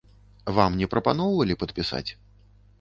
Вам не прапаноўвалі падпісаць?